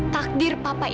takdir papa itu